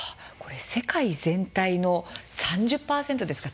世界全体の３０％ですか。